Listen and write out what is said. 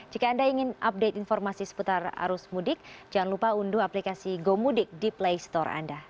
jika anda ingin update informasi seputar arus mudik jangan lupa unduh aplikasi gomudik di play store anda